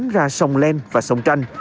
ra sông len và sông tranh